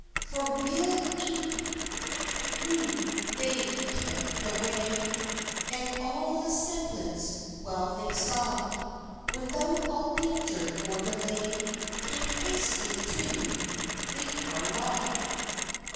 For weil enewch they kent the way, And all their semblance well they saw: Without all dangir or delay, Come haistily to the Harlaw.